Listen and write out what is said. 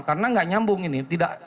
karena tidak nyambung ini